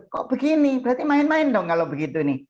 kok begini berarti main main dong kalau begitu ini